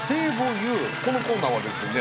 このコーナーはですね